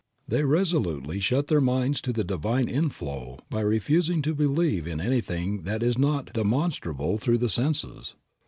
They resolutely shut their minds to the divine inflow by refusing to believe in anything that is not demonstrable through the senses.